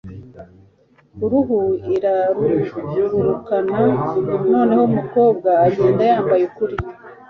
uruhu irarugurukana. noneho umukobwa agenda yambaye ukuri